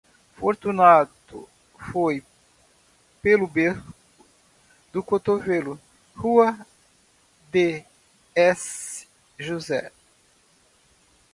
Fortunato foi pelo beco do Cotovelo, rua de S. José.